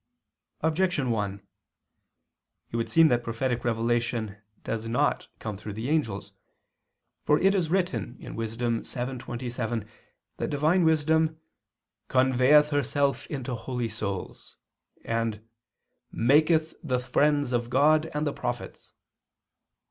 Objection 1: It would seem that prophetic revelation does not come through the angels. For it is written (Wis. 7:27) that Divine wisdom "conveyeth herself into holy souls," and "maketh the friends of God, and the prophets."